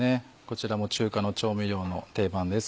こちらも中華の調味料の定番です。